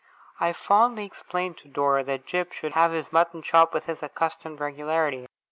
I fondly explained to Dora that Jip should have his mutton chop with his accustomed regularity.